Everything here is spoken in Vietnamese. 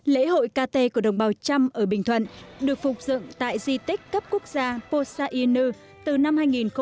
lễ hội kt của đồng bào trăm ở bình thuận được phục dựng tại di tích cấp quốc gia posa inu từ năm hai nghìn một mươi